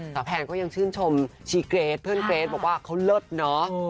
แพนก็ยังชื่นชมชีเกรทเพื่อนเกรทบอกว่าเขาเลิศเนาะ